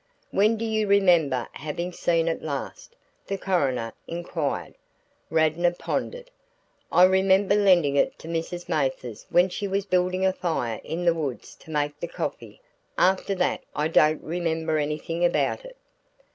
"When do you remember having seen it last?" the coroner inquired. Radnor pondered. "I remember lending it to Mrs. Mathers when she was building a fire in the woods to make the coffee; after that I don't remember anything about it."